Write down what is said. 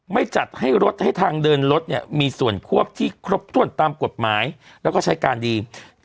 ๖ไม่จัดให้ทางเดินรถมีส่วนควบที่ครบถ้วนตามกฎหมายและใช้การดี